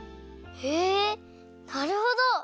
へえなるほど！